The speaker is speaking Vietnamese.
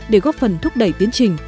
để góp phần thúc đẩy tiến trình